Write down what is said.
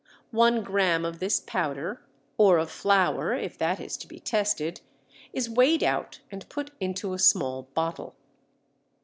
One gram of this powder, or of flour if that is to be tested, is weighed out and put into a small bottle.